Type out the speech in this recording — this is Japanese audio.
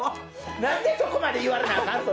なんでここまで言われなあかんねん。